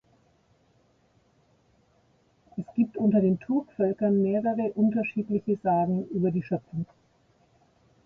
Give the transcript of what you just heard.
Es gibt unter den Turkvölkern mehrere unterschiedliche Sagen über die Schöpfung.